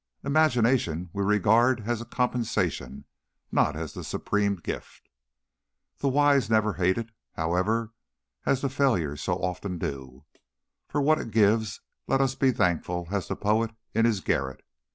Imagination we regard as a compensation, not as the supreme gift. The wise never hate it, however, as the failures so often do. For what it gives let us be as thankful as the poet in his garret.